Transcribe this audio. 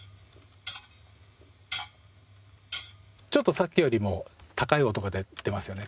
ちょっとさっきよりも高い音が出ますよね